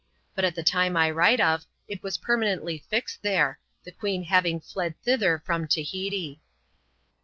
But at the time I write of, it was permanently fixed there, the queen having fled thither from Tahiti.